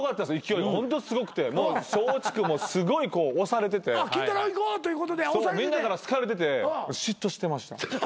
勢いホントすごくて松竹もすごい推されててみんなから好かれてて嫉妬してました。